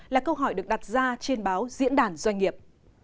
là câu hỏi được đặt ra trên báo diễn đàn doanh nghiệp